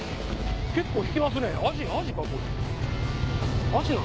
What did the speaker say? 結構引きますねアジか？